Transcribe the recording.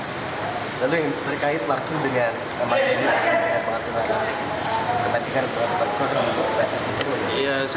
lalu yang terkait langsung dengan kematian pengaturan dan kematikan untuk pasokan